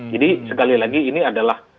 jadi sekali lagi ini adalah